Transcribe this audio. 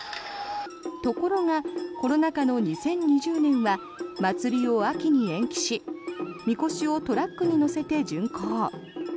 ところがコロナ禍の２０２０年は祭りを秋に延期しみこしをトラックに載せて巡行。